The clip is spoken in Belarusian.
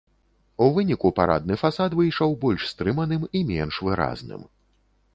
У выніку парадны фасад выйшаў больш стрыманым і менш выразным.